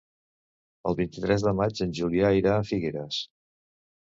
El vint-i-tres de maig en Julià irà a Figueres.